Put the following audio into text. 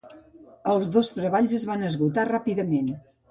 Els dos treballs es van esgotar ràpidament.